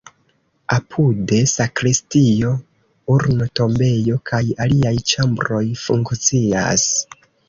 Apude sakristio, urno-tombejo kaj aliaj ĉambroj funkcias.